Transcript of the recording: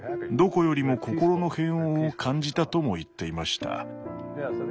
どこよりも心の平穏を感じたとも言っていました。